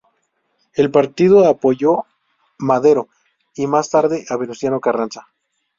El partido apoyó Madero y más tarde a Venustiano Carranza.